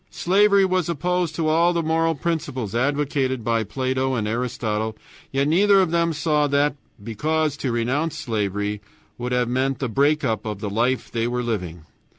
Slavery was opposed to all the moral principles advocated by Plato and Aristotle, yet neither of them saw that, because to renounce slavery would have meant the break up of the life they were living.